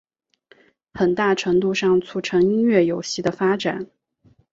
很大程度上促成音乐游戏的发展。